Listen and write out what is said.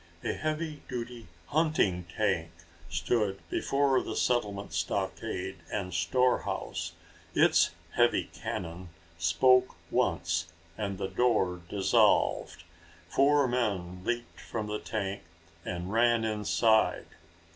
A heavy duty hunting tank stood before the settlement stockade and store house. Its heavy cannon spoke once and the door dissolved. Four men leaped from the tank and ran inside.